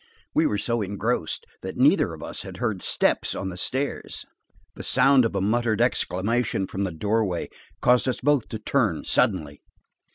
We were so engrossed that neither of us had heard steps on the stairs. The sound of a smothered exclamation from the doorway caused us both to turn suddenly.